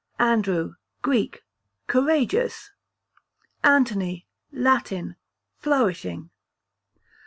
Andrew, Greek, courageous. Anthony, Latin, flourishing.